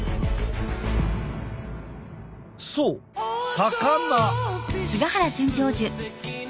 そう魚。